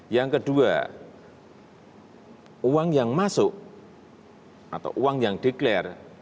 yang kedua uang yang masuk atau uang yang declare